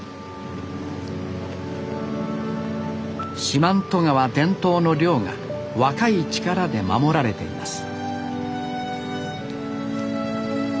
四万十川伝統の漁が若い力で守られています